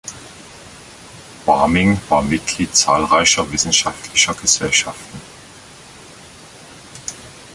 Warming war Mitglied zahlreicher wissenschaftlicher Gesellschaften.